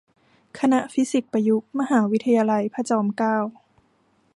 คณะฟิสิกส์ประยุกต์ มหาวิทยาลัยพระจอมเกล้า